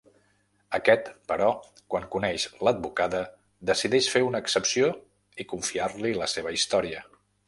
Aquest, però, quan coneix l'advocada decideix fer una excepció i confiar-li la seva història.